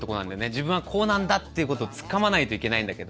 自分はこうなんだっていうことをつかまないといけないんだけど。